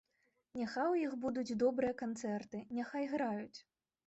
Няхай у іх будуць добрыя канцэрты, няхай граюць.